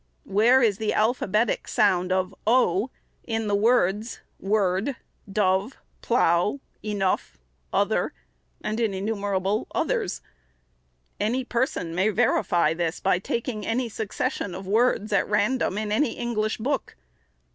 Where is the alphabetic sound of o in the words word, dove, plough, enough, other, and in innumerable others ? Any person may verify this by taking any succession of words, at random, in any English book.